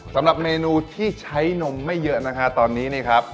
สำหรับเมนูที่ใช้นมไม่เยอะนะคะตอนนี้นี่ครับ